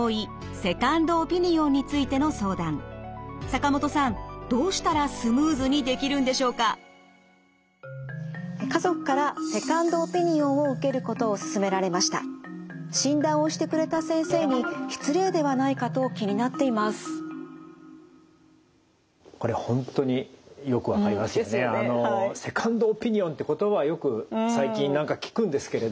セカンドオピニオンって言葉はよく最近聞くんですけれど。